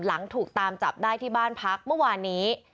หลังถูกตามจับได้ที่บ้านพักเมื่อวานนี้